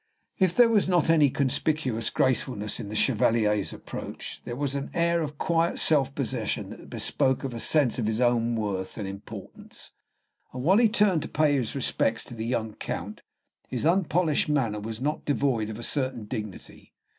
If there was not any conspicuous gracefulness in the Chevalier's approach, there was an air of quiet self possession that bespoke a sense of his own worth and importance; and while he turned to pay his respects to the young Count, his unpolished manner was not devoid of a certain dignity.